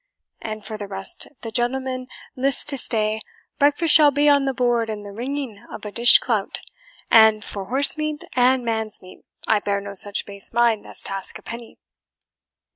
And for the rest, if the gentleman list to stay, breakfast shall be on the board in the wringing of a dishclout; and for horse meat, and man's meat, I bear no such base mind as to ask a penny."